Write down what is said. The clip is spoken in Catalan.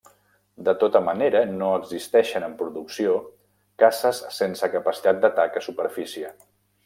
De tota manera no existeixen en producció caces sense capacitat d'atac a superfície.